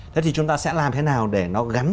thế thì chúng ta sẽ làm thế nào để nó gắn